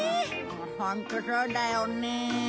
ホントそうだよね。